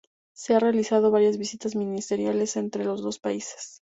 Se han realizado varias visitas ministeriales entre los dos países.